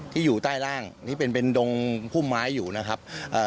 ที่อยู่ใต้ล่างนี่เป็นดงพุ่มไม้อยู่นะครับ